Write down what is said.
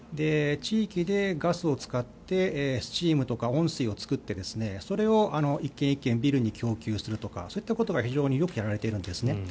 地域でガスを使ってスチームとか温水を作ってそれを一軒一軒ビルに供給するとかそういったことが非常によくやられているんですね。